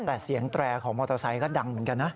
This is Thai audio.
แต่เสียงแตรของมอเตอร์ไซค์ก็ดังเหมือนกันนะ